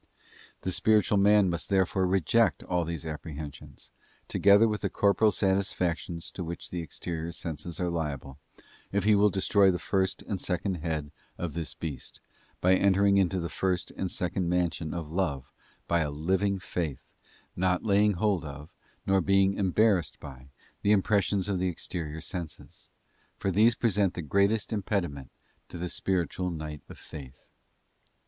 '* The spiritual man must therefore reject all these apprehensions, together with the corporeal satisfactions to which the exterior senses are liable, if he will destroy the first and second head of this beast, by entering into the first and second mansion of love by a living faith, not laying hold of, nor being em barrassed by, the impressions of the exterior senses; for these present the greatest impediment to the spiritual night of Faith.